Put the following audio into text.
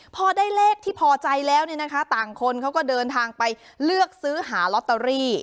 พอได้เลขที่พอใจแล้วเนี่ยนะคะต่างคนเขาก็เดินทางไปเลือกซื้อหาลอตเตอรี่